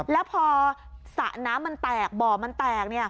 แล้วพอสระน้ำมันแตกบ่อมันแตก